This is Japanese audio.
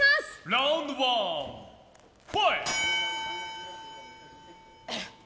ラウンドワンファイト！